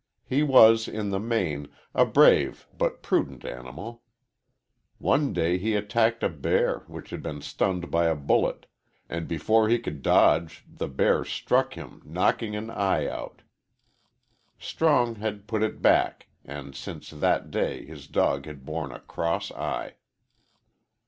He was, in the main, a brave but a prudent animal. One day he attacked a bear, which had been stunned by a bullet, and before he could dodge the bear struck him knocking an eye out. Strong had put it back, and since that day his dog had borne a cross eye.